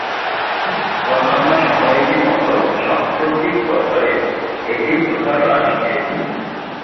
অন্যান্য সাময়িকীর মতো, সাম্প্রতিক বছরে এটির প্রচার হ্রাস পেয়েছে।